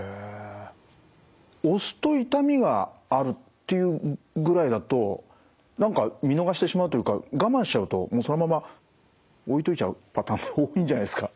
押すと痛みがあるというぐらいだと何か見逃してしまうというか我慢しちゃうとそのまま置いといちゃうパターンも多いんじゃないですか？